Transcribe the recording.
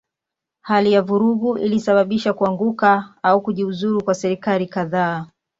Hali ya vurugu ilisababisha kuanguka au kujiuzulu kwa serikali kadhaa.